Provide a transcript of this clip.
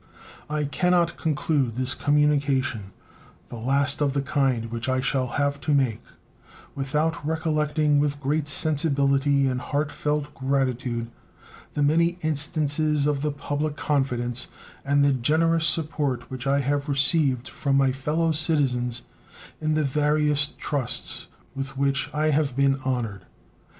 I can not conclude this communication, the last of the kind which I shall have to make, without recollecting with great sensibility and heart felt gratitude the many instances of the public confidence and the generous support which I have received from my fellow citizens in the various trusts with which I have been honored.